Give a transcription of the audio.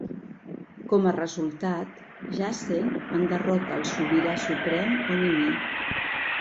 Com a resultat, Jacen enderroca el Sobirà Suprem Onimi.